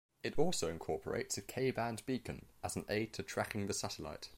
It also incorporates a K band Beacon as an aid to tracking the satellite.